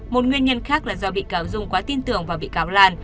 một nguyên nhân khác là do bị cáo dung quá tin tưởng vào bị cáo lan